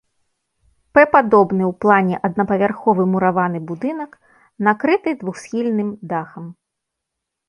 П-падобны ў плане аднапавярховы мураваны будынак накрыты двухсхільным дахам.